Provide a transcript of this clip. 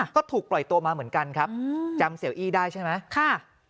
ก็ถูกปล่อยตัวมาเหมือนกันครับจำเสียอี้ได้ใช่ไหมค่ะ